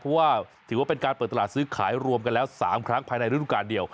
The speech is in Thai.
เพราะว่าถือว่าเป็นการเปิดตลาดซื้อขายรวมกันแล้ว๓ครั้งภายในฤดูการเดียว